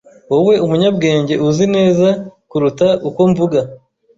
Wowe umunyabwenge uzi neza kuruta uko mvuga